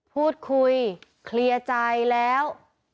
พูดคุยเคลียร์ใจแล้ว